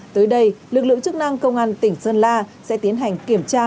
tới đây lực lượng chức năng công an tỉnh sơn la sẽ tiến hành kiểm tra